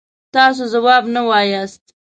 تاسو ځواب نه وایاست.